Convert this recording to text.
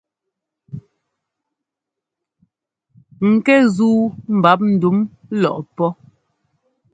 Ŋkɛ́ zúu mbap ndúm lɔʼpɔ́.